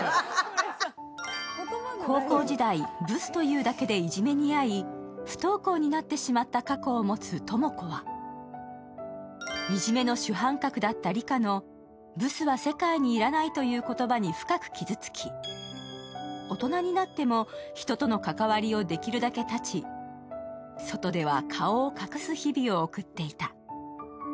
高校時代、ブスというだけでいじめに遭い不登校になってしまった過去を持つ知子は、いじめの主犯格だった梨花の「ブスは世界に要らない」という言葉に深く傷つき大人になっても人との関わりをできるだけ絶ち外では顔を隠す日々を送っていた。